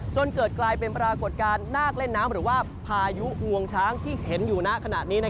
จนเกิดกลายเป็นปรากฏการณ์นาคเล่นน้ำหรือว่าพายุงวงช้างที่เห็นอยู่ณขณะนี้